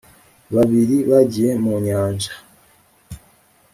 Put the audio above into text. babiri bagiye mu nyanja,